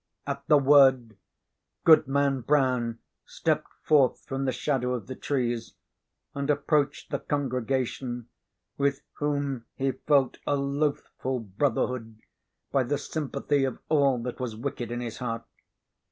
At the word, Goodman Brown stepped forth from the shadow of the trees and approached the congregation, with whom he felt a loathful brotherhood by the sympathy of all that was wicked in his heart.